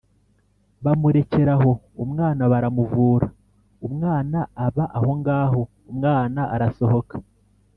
Bamurekera aho, umwana baramuvura, umwana aba ahongaho; umwana arasohoka